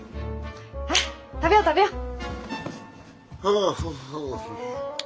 ほら食べよう食べよう！